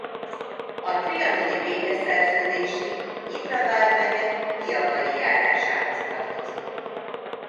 A trianoni békeszerződésig Nyitra vármegye Miavai járásához tartozott.